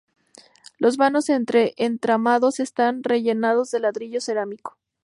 Los vanos entre entramados están rellenados de ladrillo cerámico.